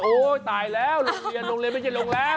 ตายแล้วโรงเรียนโรงเรียนไม่ใช่โรงแรม